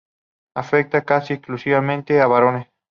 Afecta casi exclusivamente a varones.